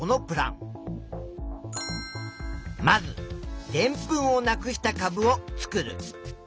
まずでんぷんをなくしたかぶを作る。